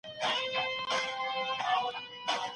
مثبت خلګ مو د ژوند په هر ګام کي ملګري دي.